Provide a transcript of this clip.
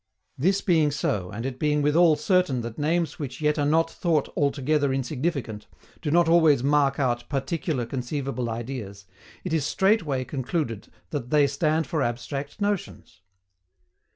This being so, and it being withal certain that names which yet are not thought altogether insignificant do not always mark out PARTICULAR conceivable ideas, it is straightway concluded that THEY STAND FOR ABSTRACT NOTIONS.